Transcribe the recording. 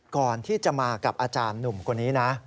ก่อนที่จะมากับอาจารย์หนุ่มคนนี้นะ